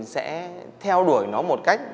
sẽ theo đuổi nó một cách